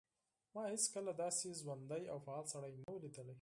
ما هیڅکله داسې ژوندی او فعال سړی نه و لیدلی